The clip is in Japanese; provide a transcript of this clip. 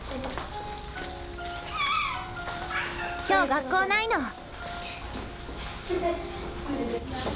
今日学校ないの。